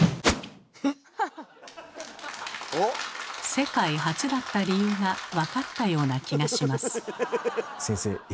世界初だった理由が分かったような気がします。